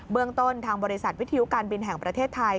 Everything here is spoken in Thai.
เมืองต้นทางบริษัทวิทยุการบินแห่งประเทศไทย